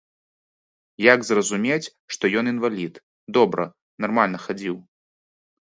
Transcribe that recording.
Як зразумець, што ён інвалід, добра, нармальна хадзіў.